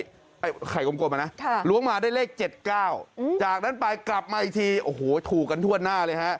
ไอ้ไข่กลมอ่ะนะล้วงมาได้เลข๗๙จากนั้นไปกลับมาอีกทีโอ้โหถูกกันทั่วหน้าเลยฮะ